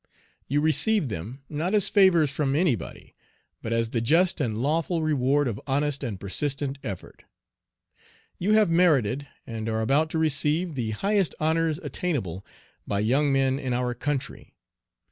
You receive them, not as favors from any body, but as the just and lawful reward of honest and persistent effort. You have merited, and are about to receive, the highest honors attainable by young men in our country.